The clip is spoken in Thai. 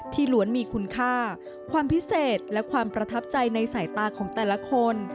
ล้วนมีคุณค่าความพิเศษและความประทับใจในสายตาของแต่ละคน